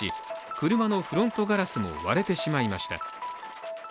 車のフロントガラスも割れてしまいました。